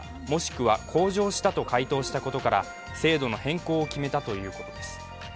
もしくは向上したと回答したことから制度の変更を決めたということです。